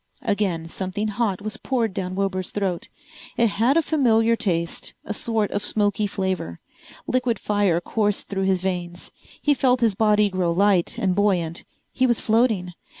Again something hot was poured down Wilbur's throat. It had a familiar taste, a sort of smoky flavor. Liquid fire coursed through his veins, he felt his body grow light and buoyant, he was floating.